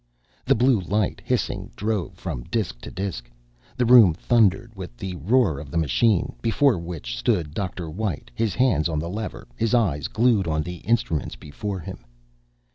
The blue light, hissing, drove from disk to disk; the room thundered with the roar of the machine, before which stood Dr. White, his hand on the lever, his eyes glued on the instruments before him.